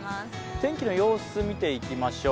天気の様子見ていきましょう。